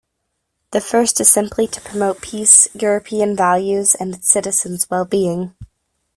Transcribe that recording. The first is simply to promote peace, European values and its citizens' well-being.